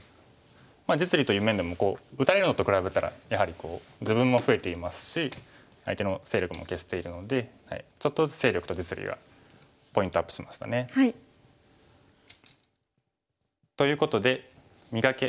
実利という面でも打たれるのと比べたらやはり自分も増えていますし相手の勢力も消しているのでちょっとずつ勢力と実利がポイントアップしましたね。ということで「磨け！